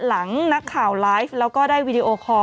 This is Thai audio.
หลังนักข่าวไลฟ์แล้วก็ได้วีดีโอคอร์